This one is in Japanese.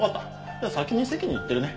じゃあ先に席に行ってるね。